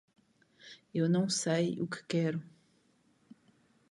Eu não sei o que quero.